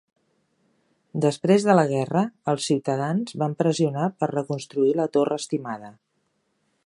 Després de la guerra, els ciutadans van pressionar per reconstruir la torre estimada.